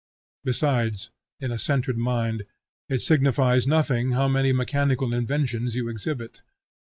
Besides, in a centred mind, it signifies nothing how many mechanical inventions you exhibit.